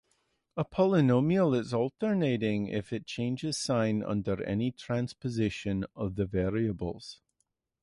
A polynomial is alternating if it changes sign under any transposition of the variables.